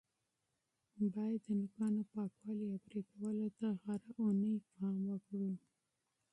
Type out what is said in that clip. باید د نوکانو پاکوالي او پرې کولو ته هره اونۍ پام وکړو.